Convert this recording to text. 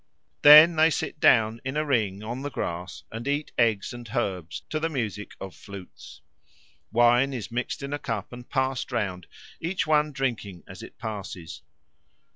Then they sit down in a ring on the grass and eat eggs and herbs to the music of flutes. Wine is mixed in a cup and passed round, each one drinking as it passes.